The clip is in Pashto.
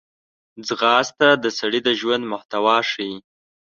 منډه د سړي د ژوند محتوا ښيي